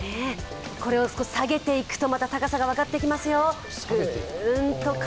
これを下げていくと、高さが分かってきますよ。